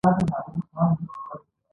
ته د جلان ژور ولوله